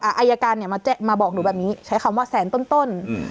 อายการเนี้ยมาแจ้งมาบอกหนูแบบนี้ใช้คำว่าแสนต้นต้นอืม